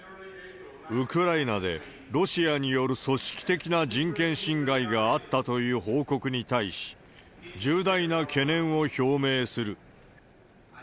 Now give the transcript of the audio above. ウクライナでロシアによる組織的な人権侵害があったという報告に対し、重大な懸念を表明する。